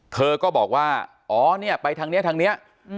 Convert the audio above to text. เธอก็บอกว่าอ๋อนี่ไปทางนี้